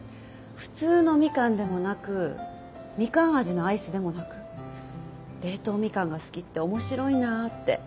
普通のみかんでもなくみかん味のアイスでもなく冷凍みかんが好きって面白いなーって。